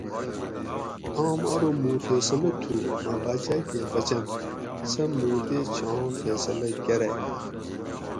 آم ارو موں فیصلہ تھو مہ باچاۤ کہ بچنت سہ مُوں تے چھاں فیصلہ کۤرئی